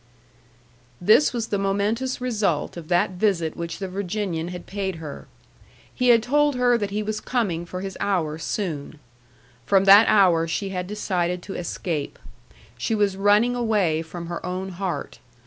This was the momentous result of that visit which the Virginian had paid her. He had told her that he was coming for his hour soon. From that hour she had decided to escape. She was running away from her own heart.